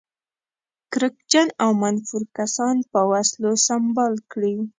کرکجن او منفور کسان په وسلو سمبال کړي.